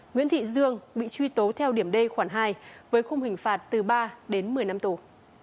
nguyễn thị dương bị truy tố theo điểm d khoản hai với khung hình phạt từ ba đến một mươi năm tù